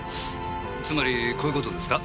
つまりこういう事ですか？